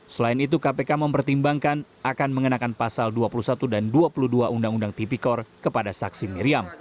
selain itu kpk mempertimbangkan akan mengenakan pasal dua puluh satu dan dua puluh dua undang undang tipikor kepada saksi miriam